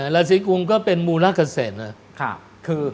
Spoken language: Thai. ราศีกุมก็เป็นมูละเกษตร